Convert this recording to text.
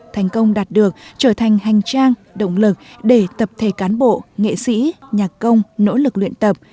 thành công đạt được trở thành hành trang động lực để tập thể cán bộ nghệ sĩ nhạc công nỗ lực luyện tập